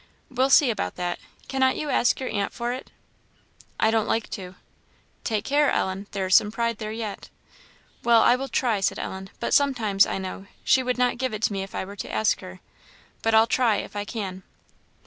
"We'll see about that. Cannot you ask your aunt for it?" "I don't like to." "Take care, Ellen; there is some pride there yet." "Well, I will try," said Ellen. "but sometimes, I know, she would not give it to me if I were to ask her. But I'll try, if I can."